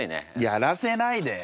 やらせないで。